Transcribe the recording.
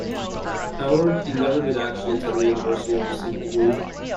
However, he never did actually attend the university or receive a degree.